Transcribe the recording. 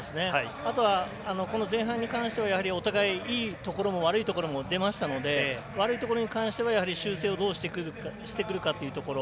あとは、前半に関しては、お互いいいところも悪いところも出ましたので悪いところに関しては修正をどうしてくるかというところ。